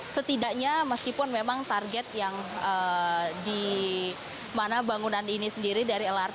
setidaknya meskipun memang target yang di mana bangunan ini sendiri dari lrt